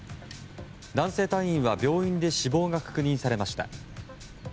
男性隊員は病院で死亡が確認されました。